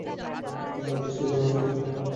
তাদের বেশ কিছু অনুসারী ছিল।